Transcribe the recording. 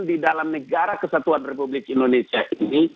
di dalam negara kesatuan republik indonesia ini